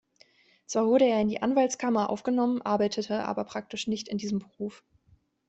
Zwar wurde er in die Anwaltskammer aufgenommen, arbeitete aber praktisch nicht in diesem Beruf.